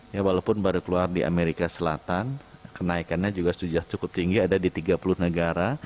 ya walaupun baru keluar di amerika selatan kenaikannya juga sudah cukup tinggi ada di tiga puluh negara